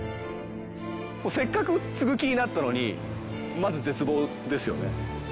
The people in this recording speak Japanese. せっかく継ぐ気になったのにまず絶望ですよね。